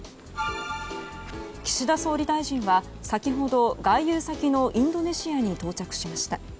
岸田総理大臣は先ほど外遊先のインドネシアに到着しました。